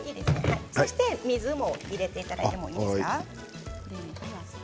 水も入れていただいていいですか？